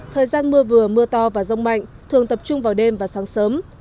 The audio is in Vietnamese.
thời gian mưa vừa mưa to và rông mạnh thường tập trung vào đêm và sáng sớm